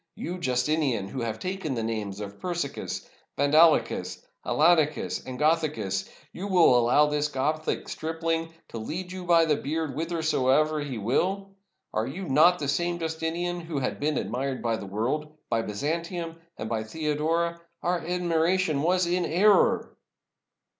You, Justinian, who have taken the names of Persicus, Vandalicus, Alanicas, and Gothicus, — you will allow this Gothic stripling to lead you by the beard whither soever he will ? Are you not the same Justinian who has been admired by the world, by Byzantium, and by Theodora? Our admiration was an error!"